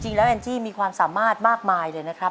จริงแล้วแอนจี้มีความสามารถมากมายเลยนะครับ